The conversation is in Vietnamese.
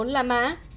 bốn là mã